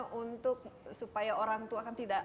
untuk supaya orang tua kan tidak